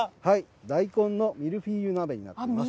大根のミルフィーユ鍋になります。